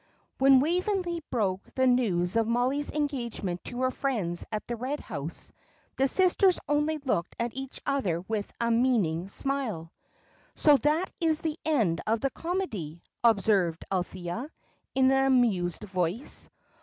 _ When Waveney broke the news of Mollie's engagement to her friends at the Red House, the sisters only looked at each other with a meaning smile. "So that is the end of the comedy," observed Althea, in an amused voice.